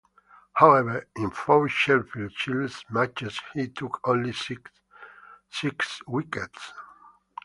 However, in four Sheffield Shield matches he took only six wickets.